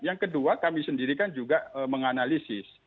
yang kedua kami sendiri kan juga menganalisis